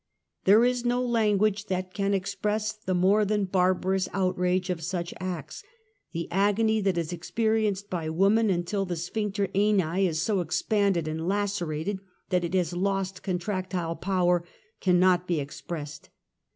There is no language that can express the more than barbarous outrage of such acts. The agony that is experienced by woman until the sphincter anii [ is so expanded and lacerated that it has lost contrac \ tile power, cannot he expressed.